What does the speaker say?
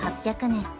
８００年